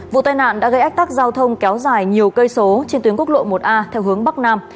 vụ tai nạn đã gây ách tắc giao thông kéo dài nhiều cây số trên tuyến quốc lộ một a theo hướng bắc nam